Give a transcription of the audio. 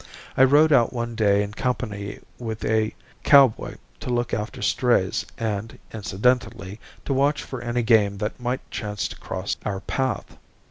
I rode out one day in company with a cowboy to look after strays and, incidentally, to watch for any game that might chance to cross our path.